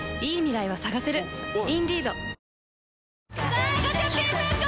・さあガチャピン・ムック